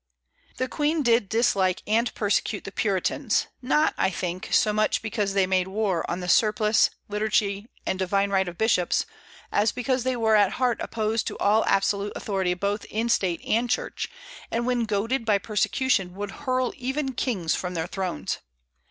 The Queen did dislike and persecute the Puritans, not, I think, so much because they made war on the surplice, liturgy, and divine right of bishops, as because they were at heart opposed to all absolute authority both in State and Church, and when goaded by persecution would hurl even kings from their thrones.